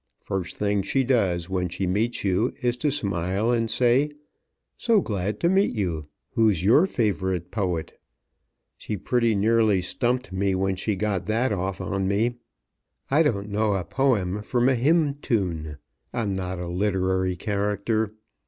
First thing she does when she meets you is to smile and say: "So glad to meet you. Who's your favorite poet?" She pretty nearly stumped me when she got that off on me. I don't know a poem from a hymn tune. I'm not a literary character.